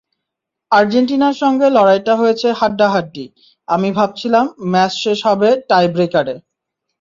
আর্জেন্টিনার সঙ্গে লড়াইটা হয়েছে হাড্ডাহাড্ডি, আমি ভাবছিলাম ম্যাচ শেষ হবে টাইব্রেকারে।